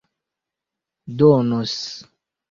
donos